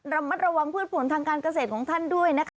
ระมัดระวังพืชผลทางการเกษตรของท่านด้วยนะคะ